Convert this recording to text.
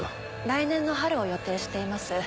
来年の春を予定しています。